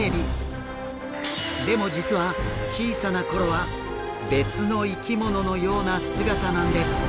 でも実は小さな頃は別の生き物のような姿なんです。